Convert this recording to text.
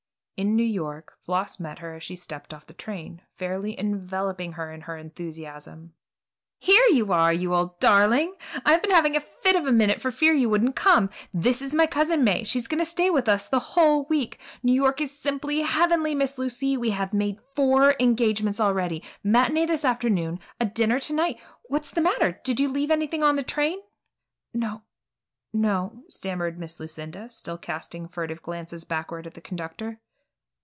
In New York, Floss met her as she stepped off the train, fairly enveloping her in her enthusiasm. "Here you are, you old darling! I have been having a fit a minute for fear you wouldn't come. This is my Cousin May. She is going to stay with us the whole week. New York is simply heavenly, Miss Lucy. We have made four engagements already. Matinée this afternoon, a dinner to night What's the matter? Did you leave anything on the train?" "No, no," stammered Miss Lucinda, still casting furtive glances backward at the conductor.